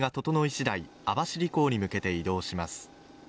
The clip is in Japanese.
しだい網走港に向けて移動します。